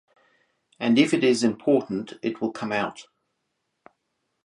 And if it is important it will come out.